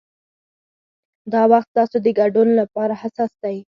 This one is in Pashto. دا وخت ستاسو د ګډون لپاره حساس دی.